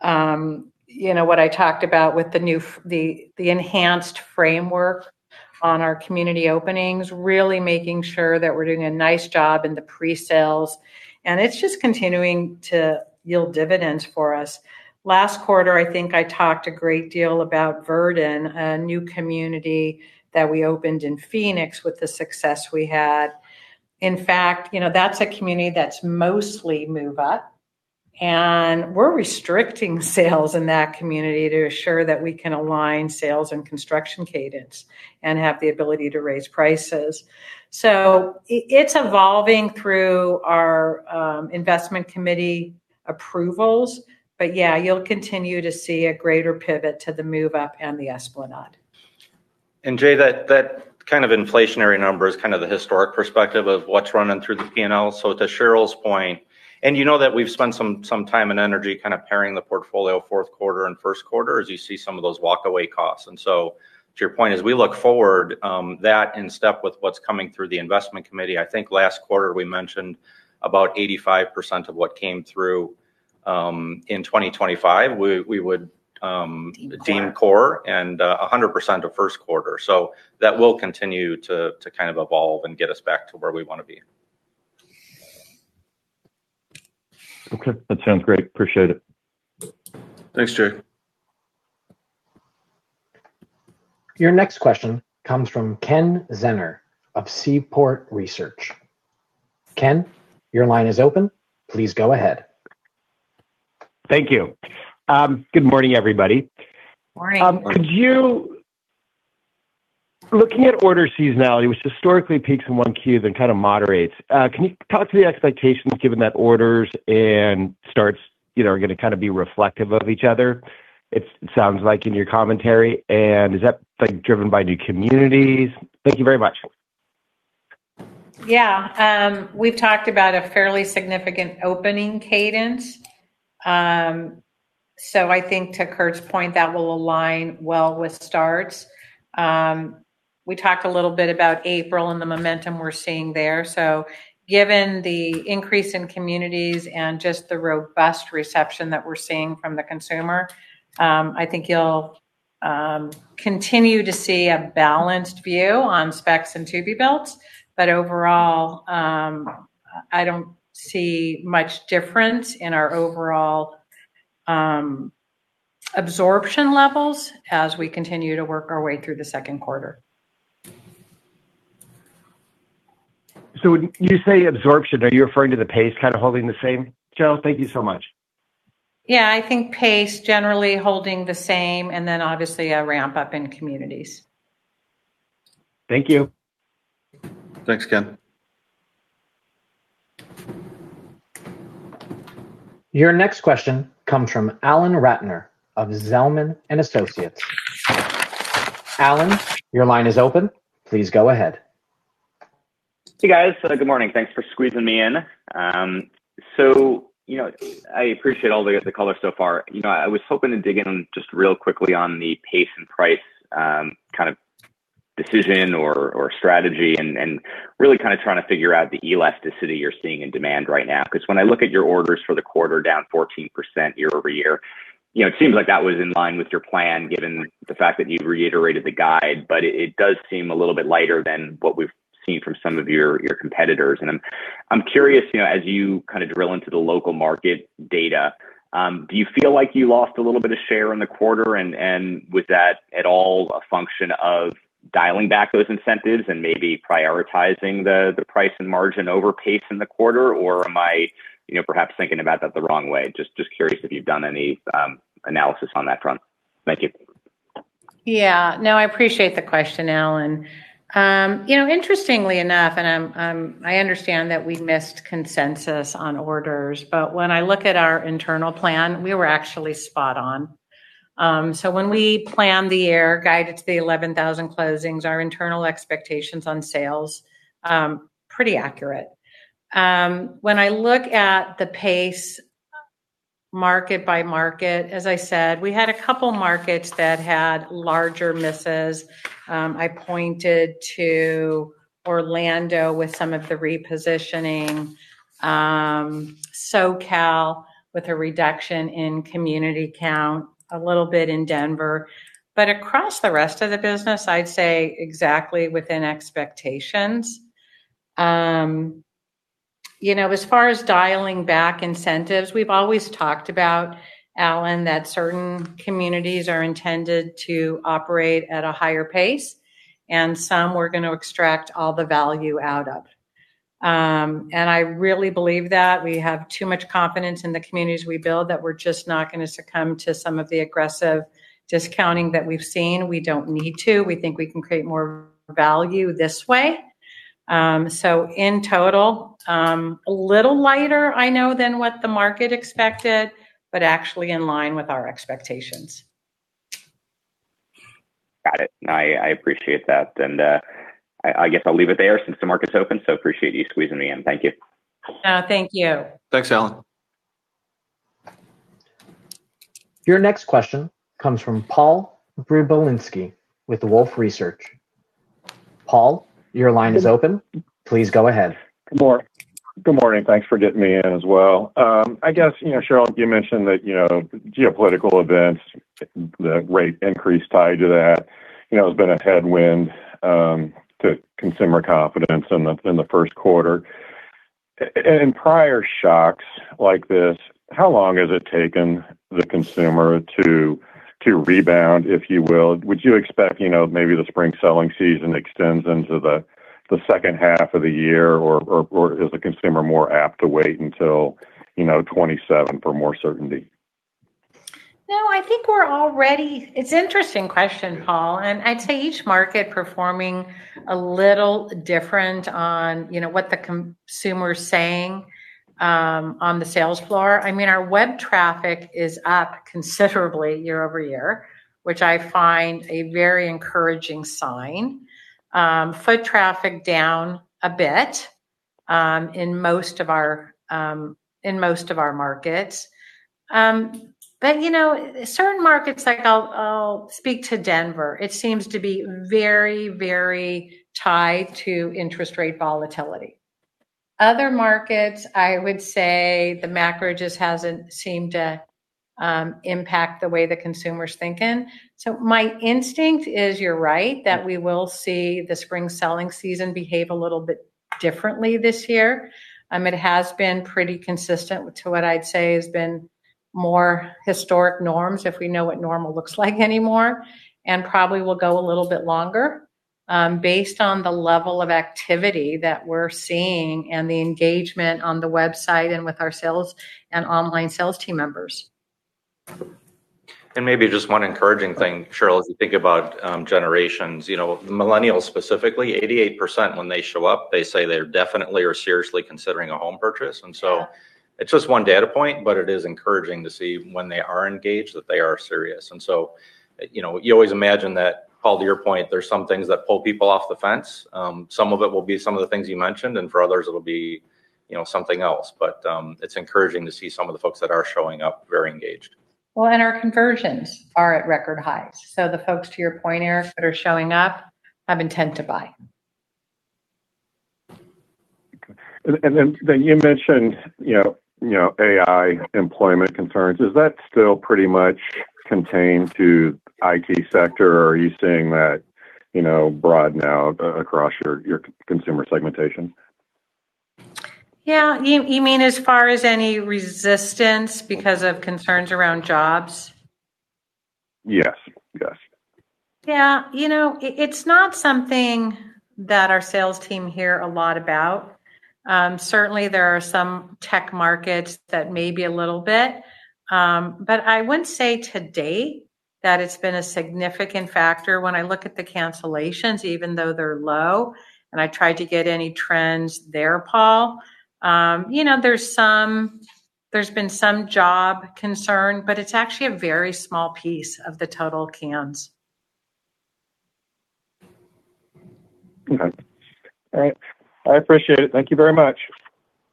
what I talked about with the enhanced framework on our community openings, really making sure that we're doing a nice job in the pre-sales. It's just continuing to yield dividends for us. Last quarter, I think I talked a great deal about Verdin, a new community that we opened in Phoenix with the success we had. In fact, that's a community that's mostly move-up, and we're restricting sales in that community to ensure that we can align sales and construction cadence and have the ability to raise prices. It's evolving through our investment committee approvals, but yeah, you'll continue to see a greater pivot to the move-up and the Esplanade. Jay, that kind of inflationary number is kind of the historical perspective of what's running through the P&L. To Sheryl's point, you know that we've spent some time and energy kind of paring the portfolio fourth quarter and first quarter as you see some of those walk-away costs. To your point, as we look forward, that's in step with what's coming through the investment committee. I think last quarter we mentioned about 85% of what came through in 2025, we would deem core and 100% of first quarter. That will continue to kind of evolve and get us back to where we want to be. Okay. That sounds great. Appreciate it. Thanks, Jay. Your next question comes from Kenneth Zener of Seaport Research. Ken, your line is open. Please go ahead. Thank you. Good morning, everybody. Morning. Looking at order seasonality, which historically peaks in Q1 then kind of moderates, can you talk to the expectations given that orders and starts are going to kind of be reflective of each other it sounds like in your commentary? Is that driven by new communities? Thank you very much. Yeah. We've talked about a fairly significant opening cadence. I think to Curt's point, that will align well with starts. We talked a little bit about April and the momentum we're seeing there. Given the increase in communities and just the robust reception that we're seeing from the consumer, I think you'll continue to see a balanced view on specs and to-be-builts. Overall, I don't see much difference in our overall absorption levels as we continue to work our way through the second quarter. When you say absorption, are you referring to the pace kind of holding the same? Sheryl, thank you so much. Yeah, I think pace generally holding the same, and then obviously a ramp-up in communities. Thank you. Thanks, Ken. Your next question comes from Alan Ratner of Zelman & Associates. Alan, your line is open. Please go ahead. Hey, guys. Good morning. Thanks for squeezing me in. So, I appreciate all the call so far. I was hoping to dig in just real quickly on the pace and price kind of decision or strategy and really kind of trying to figure out the elasticity you're seeing in demand right now. Because when I look at your orders for the quarter, down 14% year-over-year, it seems like that was in line with your plan given the fact that you've reiterated the guide, but it does seem a little bit lighter than what we've seen from some of your competitors. I'm curious, as you kind of drill into the local market data, do you feel like you lost a little bit of share in the quarter? Was that at all a function of dialing back those incentives and maybe prioritizing the price and margin over pace in the quarter? Or am I perhaps thinking about that the wrong way? Just curious if you've done any analysis on that front. Thank you. Yeah. No, I appreciate the question, Alan. Interestingly enough, I understand that we missed consensus on orders, but when I look at our internal plan, we were actually spot on. When we planned the year guided to the 11,000 closings, our internal expectations on sales, pretty accurate. When I look at the pace market by market, as I said, we had a couple markets that had larger misses. I pointed to Orlando with some of the repositioning. SoCal with a reduction in community count. A little bit in Denver. Across the rest of the business, I'd say exactly within expectations. As far as dialing back incentives, we've always talked about, Alan, that certain communities are intended to operate at a higher pace, and some we're going to extract all the value out of. I really believe that. We have too much confidence in the communities we build that we're just not going to succumb to some of the aggressive discounting that we've seen. We don't need to. We think we can create more value this way. In total, a little lighter, I know, than what the market expected, but actually in line with our expectations. Got it. I appreciate that. I guess I'll leave it there since the market's open, so appreciate you squeezing me in. Thank you. Thank you. Thanks, Alan. Your next question comes from Paul Przybylski with Wolfe Research. Paul, your line is open. Please go ahead. Good morning. Thanks for getting me in as well. I guess, Sheryl, you mentioned that geopolitical events, the rate increase tied to that, has been a headwind to consumer confidence in the first quarter. In prior shocks like this, how long has it taken the consumer to rebound, if you will? Would you expect maybe the spring selling season extends into the second half of the year, or is the consumer more apt to wait until 2027 for more certainty? No, I think we're all ready. It's an interesting question, Paul, and I'd say each market performing a little different on what the consumer's saying on the sales floor. Our web traffic is up considerably year-over-year, which I find a very encouraging sign. Foot traffic down a bit in most of our markets. Certain markets, like I'll speak to Denver. It seems to be very tied to interest rate volatility. Other markets, I would say the macro just hasn't seemed to impact the way the consumer's thinking. My instinct is, you're right, that we will see the spring selling season behave a little bit differently this year. It has been pretty consistent to what I'd say has been more historic norms, if we know what normal looks like anymore. Probably will go a little bit longer based on the level of activity that we're seeing and the engagement on the website and with our sales and online sales team members. Maybe just one encouraging thing, Sheryl, as you think about generations. Millennials, specifically, 88%, when they show up, they say they're definitely or seriously considering a home purchase. It's just one data point, but it is encouraging to see when they are engaged, that they are serious. You always imagine that, Paul, to your point, there's some things that pull people off the fence. Some of it will be some of the things you mentioned, and for others it'll be something else. It's encouraging to see some of the folks that are showing up very engaged. Well, our conversions are at record highs. The folks, to your point, Erik, that are showing up have intent to buy. Okay. You mentioned AI employment concerns. Is that still pretty much contained to IT sector, or are you seeing that broaden out across your consumer segmentation? Yeah. You mean as far as any resistance because of concerns around jobs? Yes. Yeah. It's not something that our sales team hear a lot about. Certainly, there are some tech markets that may be a little bit. I wouldn't say to date that it's been a significant factor. When I look at the cancellations, even though they're low and I tried to get any trends there, Paul, there's been some job concern, but it's actually a very small piece of the total cans. Okay. All right. I appreciate it. Thank you very much.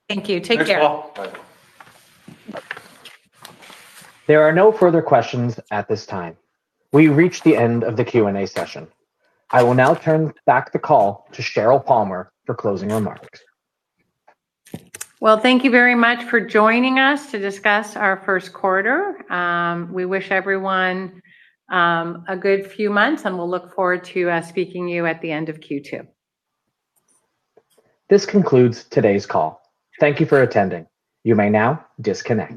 Thank you. Take care. Thanks, Paul. Bye. There are no further questions at this time. We've reached the end of the Q&A session. I will now turn back the call to Sheryl Palmer for closing remarks. Well, thank you very much for joining us to discuss our first quarter. We wish everyone a good few months, and we'll look forward to speaking to you at the end of Q2. This concludes today's call. Thank you for attending. You may now disconnect.